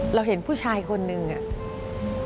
เราเห็นผู้ชายคนหนึ่งเนี้ย